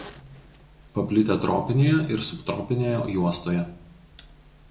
Paplitę tropinėje ir subtropinėje juostoje.